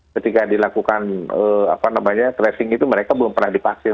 ketika dilakukan tracing itu mereka belum pernah dipaksin